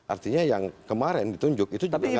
artinya yang kemarin ditunjuk itu juga nggak betul